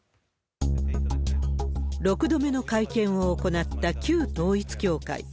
６度目の会見を行った旧統一教会。